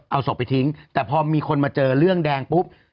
เอาศพไปทิ้งแต่พอมีคนมาเจอเรื่องแดงปุ๊บ